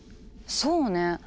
そうね。